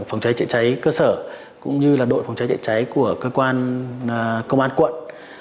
phòng cháy chữa cháy cơ sở cũng như đội phòng cháy chữa cháy của cơ quan công an quận